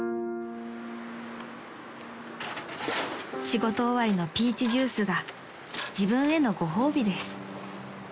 ［仕事終わりのピーチジュースが自分へのご褒美です］